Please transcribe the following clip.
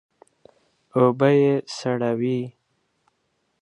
اوبه یې سړې وې.